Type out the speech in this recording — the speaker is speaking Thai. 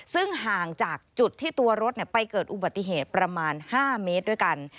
ซึ่งห่างจากจุดที่ตัวรถไปเกิดอุบัติเหตุประมาณ๕เมตรด้วยกัน